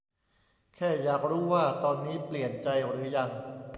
แค่อยากรู้ว่า ตอนนี้เปลี่ยนใจหรือยัง